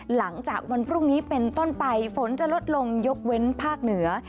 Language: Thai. หลังจากวันพรุ่งนี้เป็นต้นไปฝนจะลดลงยกเว้นภาคเหนือ